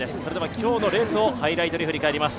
今日のレースをハイライトで振り返ります。